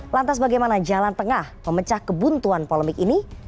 lantas bagaimana jalan tengah memecah kebuntuan polemik ini